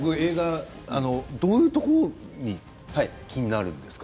どういうところ映画気になるんですか？